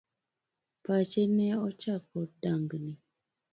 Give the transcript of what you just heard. Pache ne ochako dang'ni.